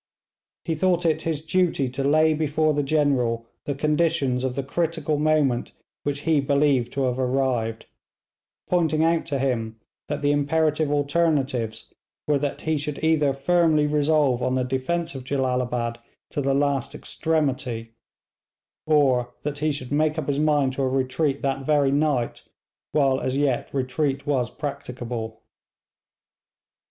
He thought it his duty to lay before the General the conditions of the critical moment which he believed to have arrived, pointing out to him that the imperative alternatives were that he should either firmly resolve on the defence of Jellalabad to the last extremity, or that he should make up his mind to a retreat that very night, while as yet retreat was practicable.